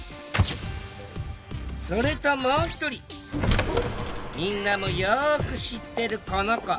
それともう一人みんなもよく知ってるこの子。